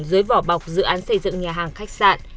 dưới vỏ bọc dự án xây dựng nhà hàng khách sạn